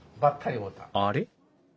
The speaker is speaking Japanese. あれ？